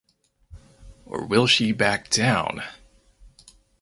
Or will she back down?